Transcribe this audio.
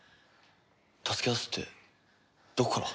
助け出すってどこから？